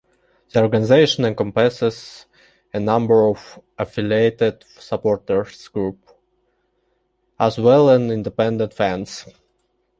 The organization encompasses a number of affiliated supporters groups, as well as independent fans.